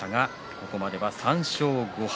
ここまでは３勝５敗。